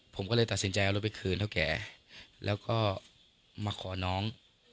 ผมก็เลยตัดสินใจเอารถไปคืนเท่าแก่แล้วก็มาขอน้อง